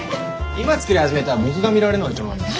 今作り始めたら僕が見られないじゃないですか。